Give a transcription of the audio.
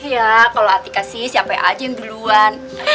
ya kalau atika sih siapa aja yang duluan